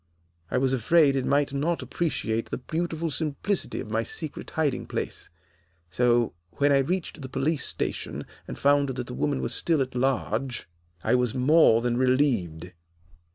I was afraid it might not appreciate the beautiful simplicity of my secret hiding place. So, when I reached the police station, and found that the woman was still at large, I was more than relieved.